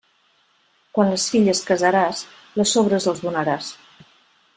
Quan les filles casaràs, les sobres els donaràs.